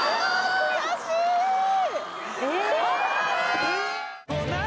悔しい！